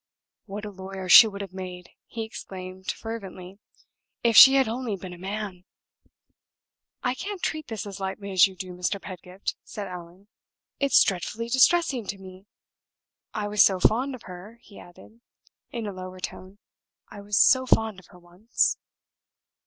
"What a lawyer she would have made," he exclaimed, fervently, "if she had only been a man!" "I can't treat this as lightly as you do, Mr. Pedgift," said Allan. "It's dreadfully distressing to me. I was so fond of her," he added, in a lower tone "I was so fond of her once."